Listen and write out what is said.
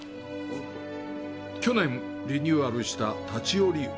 去年、リニューアルした立ち寄り湯。